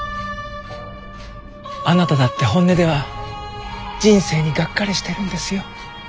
あなただって本音では人生にがっかりしてるんですよ。